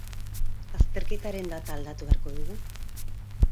Azterketaren data aldatu beharko dugu.